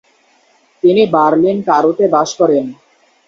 তিনি বার্লিন-কারোতে বাস করেন।